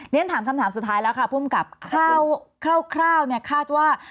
เนี้ยถามคำถามสุดท้ายแล้วค่ะภูมิกับคร่าวคร่าวคร่าวเนี้ยคาดว่า